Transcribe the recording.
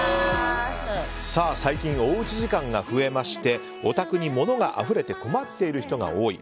最近、おうち時間が増えましてお宅に物があふれて困っている人が多い。